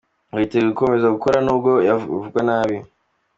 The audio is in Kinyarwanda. Ngo yiteguye gukomeza gukora nubwo yavugwa nabi.